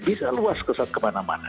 bisa luas kesat kemana mana